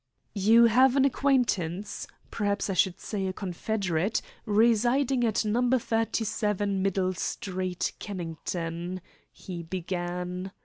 "You have an acquaintance perhaps I should say a confederate residing at No. 37 Middle Street, Kennington " he began.